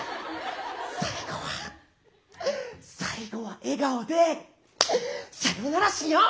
最後は最後は笑顔でさよならしよう！